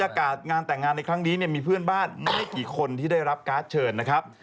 อันตรายงานแต่งงานในครั้งนี้มีเพื่อนบ้านไม่ได้กี่คนที่ได้รับการเชิญนะครับ